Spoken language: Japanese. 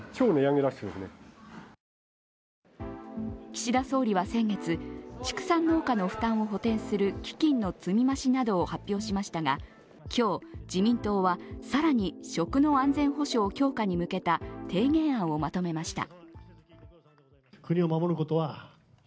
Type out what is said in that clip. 岸田総理は先月、畜産農家の負担を補填する基金の積み増しなどを発表しましたが今日、自民党は、更に食の安全保障強化に向けた提言案をまとめました。